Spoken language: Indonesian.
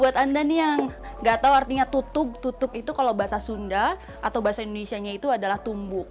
buat anda nih yang gak tahu artinya tutup tutup itu kalau bahasa sunda atau bahasa indonesia nya itu adalah tumbuk